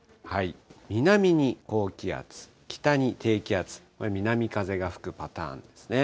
南に高気圧、北に低気圧、南風が吹くパターンですね。